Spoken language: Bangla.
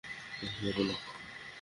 কাছে আসো না।